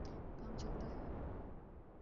کام چلتا ہے۔